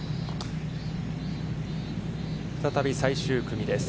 再び最終組です。